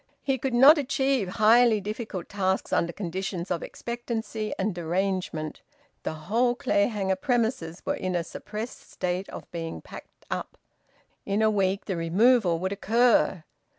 He could not achieve highly difficult tasks under conditions of expectancy and derangement. The whole Clayhanger premises were in a suppressed state of being packed up. In a week the removal would occur.